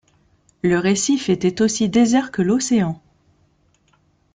Le récif était aussi désert que l’Océan!